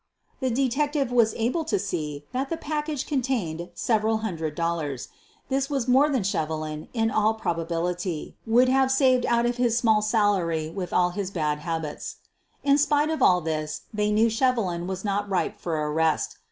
The detective was able to see that the package contained several hundred dollars. This was more than Shevelin, in all probability, would have saved out of his small salary with all his bad habits. In spite of all this they knew Shevelin was not ripe for arrest.